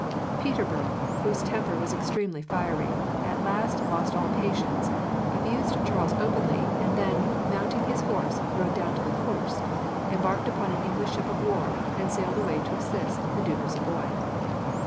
Peterborough, whose temper was extremely fiery, at last lost all patience, abused Charles openly, and then, mounting his horse, rode down to the coast, embarked upon an English ship of war, and sailed away to assist the Duke of Savoy.